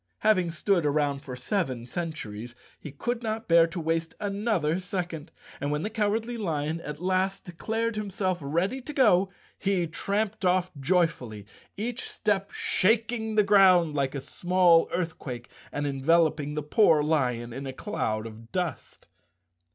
Having stood around for seven centuries, he could not bear to waste another 229 The Cowardly Lion of Oz _ second, and when the Cowardly lion at last declared himself ready to go he tramped off joyfully, each step shaking the ground like a small earthquake and enveloping the poor lion in a cloud of dust.